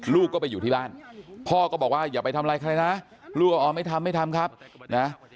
ลูกก็ไปอยู่ที่บ้านพ่อก็บอกว่าอย่าไปทำอะไรใครนะลูกก็อ๋อไม่ทำไม่ทำครับนะ